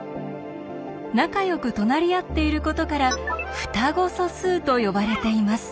仲よく隣り合っていることから「双子素数」と呼ばれています。